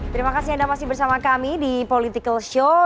terima kasih anda masih bersama kami di political show